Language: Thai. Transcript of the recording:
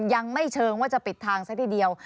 ยังไม่เชิงว่าจะปิดทางซะทีเดียว